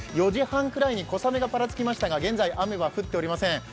４時半ごろに小雨がぱらつきましたが、現在、雨は降っていません。